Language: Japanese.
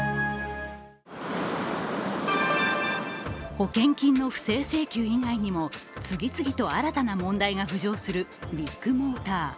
保険金の不正請求以外にも次々と新たな問題が浮上するビッグモーター。